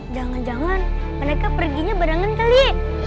jangan jangan mereka perginya barengan kali